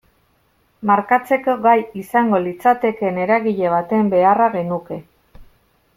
Markatzeko gai izango litzatekeen eragile baten beharra genuke.